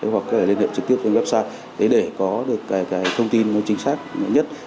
hoặc có thể liên hệ trực tiếp trên website để có được cái thông tin nó chính xác nhất